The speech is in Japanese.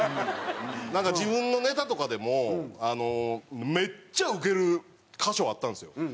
なんか自分のネタとかでもめっちゃウケる箇所はあったんですよ。